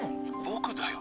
僕だよ